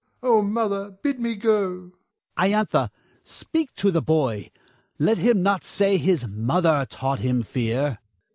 Oh, Mother, bid me go! Adrastus. Iantha, speak to the boy! Let him not say his mother taught him fear.